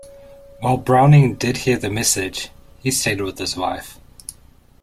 While Browning did hear the message, he stayed with his wife.